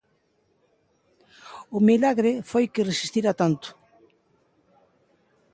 O milagre foi que resistira tanto.